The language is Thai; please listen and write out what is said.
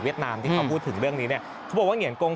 นามที่เขาพูดถึงเรื่องนี้เนี่ยเขาบอกว่าเหงียนกง